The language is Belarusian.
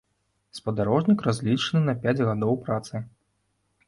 Спадарожнік разлічаны на пяць гадоў працы.